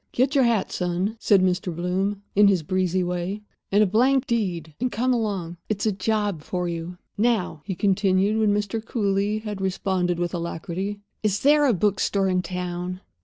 "Get your hat, son," said Mr. Bloom, in his breezy way, "and a blank deed, and come along. It's a job for you." "Now," he continued, when Mr. Cooly had responded with alacrity, "is there a bookstore in town?"